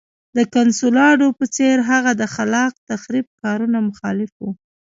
د کنسولاډو په څېر هغه د خلاق تخریب کارونو مخالف و.